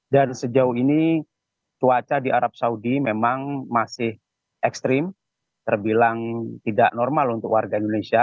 dan sejauh ini cuaca di arab saudi memang masih ekstrim terbilang tidak normal untuk warga indonesia